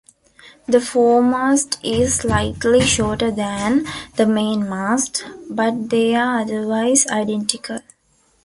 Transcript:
The foremast is slightly shorter than the main mast, but they are otherwise identical.